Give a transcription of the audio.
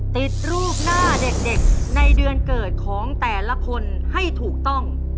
ติดรูปหน้าเด็กในเดือนเกิดของแต่ละคนให้ถูกต้อง